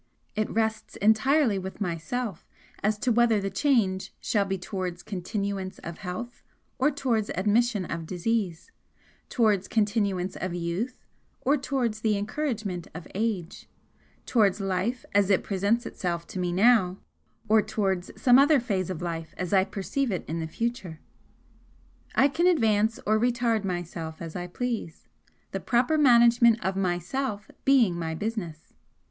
It rests entirely with myself as to whether the change shall be towards continuance of health or towards admission of disease towards continuance of youth or towards the encouragement of age, towards life as it presents itself to me now, or towards some other phase of life as I perceive it in the future. I can advance or retard myself as I please the proper management of Myself being my business.